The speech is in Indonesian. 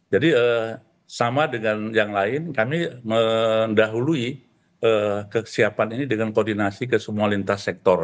jadi sama dengan yang lain kami mendahului kesiapan ini dengan koordinasi ke semua lintas sektor ya